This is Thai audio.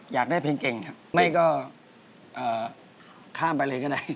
อยากได้เพลงเก่งครับไม่ก็ข้ามไปเลยก็ได้